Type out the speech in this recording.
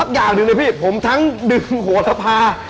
ความทั้งดึงโหดทะพา